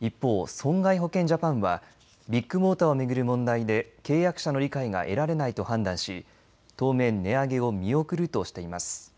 一方、損害保険ジャパンはビッグモーターを巡る問題で契約者の理解が得られないと判断し当面、値上げを見送るとしています。